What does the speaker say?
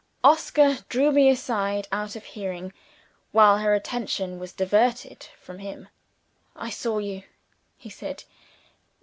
Oscar drew me aside out of hearing, while her attention was diverted from him. "I saw you," he said.